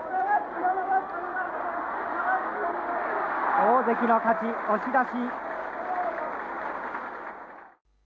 大関の勝ち、押し出し。